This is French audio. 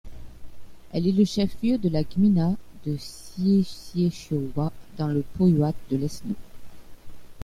Elle est le chef-lieu de la gmina de Święciechowa, dans le powiat de Leszno.